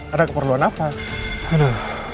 ada keperluan apa